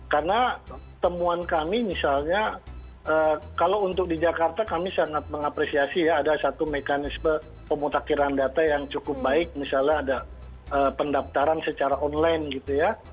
karena temuan kami misalnya kalau untuk di jakarta kami sangat mengapresiasi ya ada satu mekanisme pemutakhiran data yang cukup baik misalnya ada pendaptaran secara online gitu ya